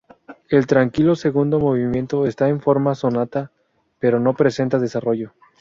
El tranquilo segundo movimiento está en forma sonata, pero no presenta desarrollo.